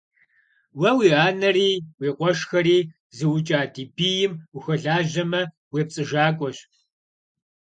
Уэ уи анэри уи къуэшхэри зыукӀа ди бийм ухуэлажьэмэ, уепцӀыжакӀуэщ!